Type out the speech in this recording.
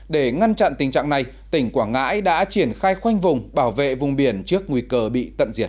để ngăn chặn tình trạng này tỉnh quảng ngãi đã triển khai khoanh vùng bảo vệ vùng biển trước nguy cơ bị tận diệt